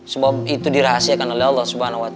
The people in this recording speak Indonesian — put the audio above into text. sebab itu dirahasiakan oleh allah swt